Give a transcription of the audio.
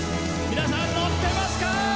皆さん、ノッてますか！